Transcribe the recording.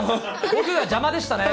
僕が邪魔でしたね。